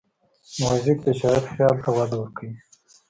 موزیک د شاعر خیال ته وده ورکوي.